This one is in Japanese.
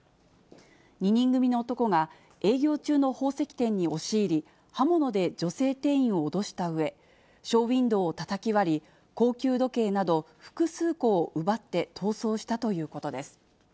２人組の男が営業中の宝石店に押し入り、刃物で女性店員を脅したうえ、ショーウインドーをたたき割り、高級時計など複数個を奪って逃走したということです。。